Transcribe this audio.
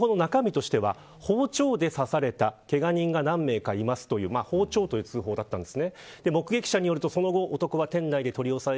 通報の中身としては包丁で刺されたけが人が何名かいますという包丁、という通報だったんです。